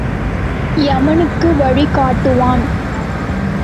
எமனுக்கு வழி காட்டுவான்.